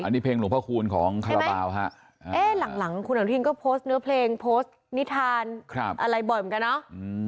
นี่เพลงหลวงพระคูณของคาราบาลฮะเอ๊ะหลังคุณอนุทินก็โพสต์เนื้อเพลงโพสต์นิทานอะไรบ่อยเหมือนกันเนาะ